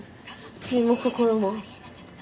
「身も心も」。